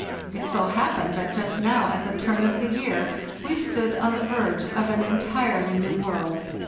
It so happened that Just now at the turn of the year we stood on the verge of an entirely new world.